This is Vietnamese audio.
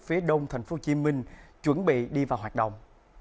phía đông tp hcm chuẩn bị đi vào hoạt động